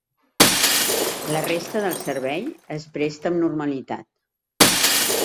La resta del servei es presta amb normalitat.